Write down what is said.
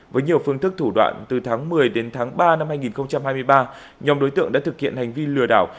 với nhiều phương thức thủ đoạn từ tháng một mươi đến tháng ba năm hai nghìn hai mươi ba nhóm đối tượng đã thực hiện hành vi lừa đảo